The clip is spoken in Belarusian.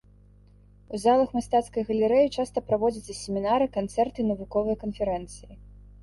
У залах мастацкай галерэі часта праводзяцца семінары, канцэрты і навуковыя канферэнцыі.